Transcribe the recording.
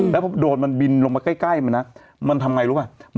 แล้วพอโดนมันบินลงมาใกล้มันนะมันทำไงรู้ป่ะ